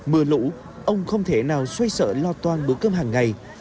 mưa lũ ông không thể nào xoay sợ lo toan bữa cơm hàng ngày